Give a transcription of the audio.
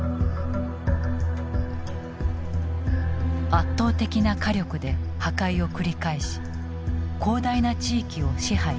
圧倒的な火力で破壊を繰り返し広大な地域を支配した。